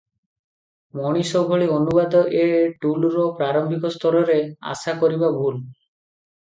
ମଣିଷ ଭଳି ଅନୁବାଦ ଏ ଟୁଲର ପ୍ରାରମ୍ଭିକ ସ୍ତରରେ ଆଶାକରିବା ଭୁଲ ।